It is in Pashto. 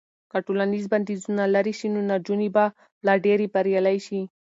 که ټولنیز بندیزونه لرې شي نو نجونې به لا ډېرې بریالۍ شي.